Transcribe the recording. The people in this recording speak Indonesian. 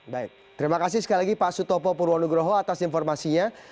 baik terima kasih sekali lagi pak sutopo purwonugroho atas informasinya